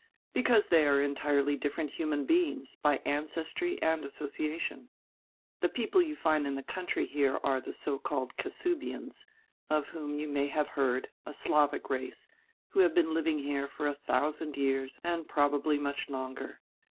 "Because they are entirely different human beings, by ancestry and association. The people you find in the coun try here are die so called Cassubians, of whom you may have heard, a Slavic race, who have been living here for a thousand years and probably much longer.